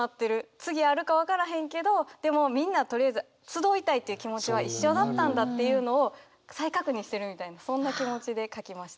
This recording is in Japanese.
次あるか分からへんけどでもみんなとりあえず集いたいっていう気持ちは一緒だったんだっていうのを再確認してるみたいなそんな気持ちで書きました。